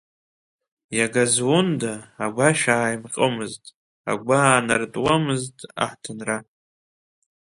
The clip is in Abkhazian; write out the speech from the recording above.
Иага зунда, агәашә ааимҟьомызт, агәы аанартуамызт аҳҭынра.